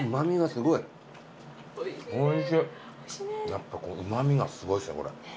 やっぱうま味がすごいっすね。